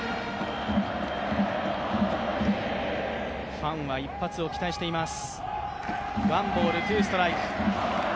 ファンは一発を期待しています。